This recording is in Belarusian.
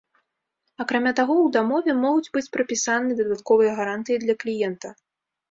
Акрамя таго, у дамове могуць быць прапісаны дадатковыя гарантыі для кліента.